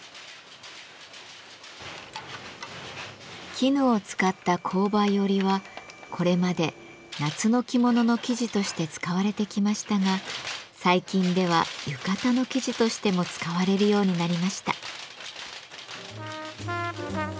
絹を使った紅梅織はこれまで夏の着物の生地として使われてきましたが最近では浴衣の生地としても使われるようになりました。